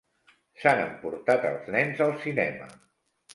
S'han emportat els nens al cinema.